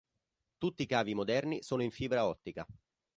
Tutti i cavi moderni sono in fibra ottica.